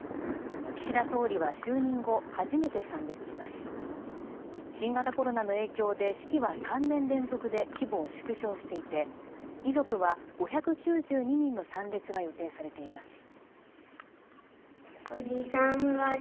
岸田総理は就任後初めて参列します新型コロナの影響で式は３年連続で規模を縮小していて遺族は５９２人の参列が予定されています